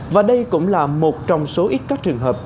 và đây cũng là một trong số ít các trường hợp